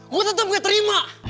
gue tetep gak terima